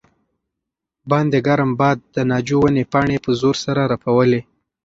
باندې ګرم باد د ناجو ونې پاڼې په زور سره رپولې.